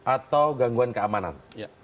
atau gangguan keamanan